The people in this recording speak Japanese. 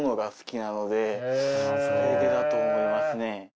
それでだと思います。